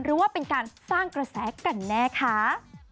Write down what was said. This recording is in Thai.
หรือว่าเป็นการสร้างกระแสกันแน่ค่ะ